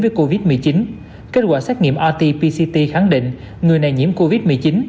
với covid một mươi chín kết quả xét nghiệm rt pct khẳng định người này nhiễm covid một mươi chín